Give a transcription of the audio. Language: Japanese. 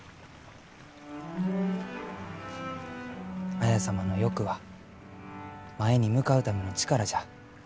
綾様の欲は前に向かうための力じゃ。